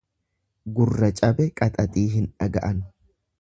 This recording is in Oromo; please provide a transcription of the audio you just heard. Gurra cabe qaxaxii hin dhaga'an.